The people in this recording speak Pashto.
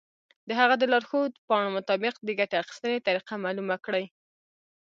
د هغه د لارښود پاڼو مطابق د ګټې اخیستنې طریقه معلومه کړئ.